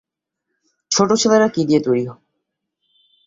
ছোট ছেলেরা কী দিয়ে তৈরি?